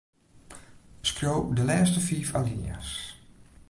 Skriuw de lêste fiif alinea's.